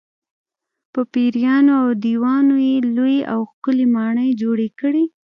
په پېریانو او دیوانو یې لویې او ښکلې ماڼۍ جوړې کړې.